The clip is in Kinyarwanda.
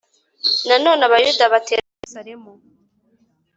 Nanone Abayuda batera Yerusalemu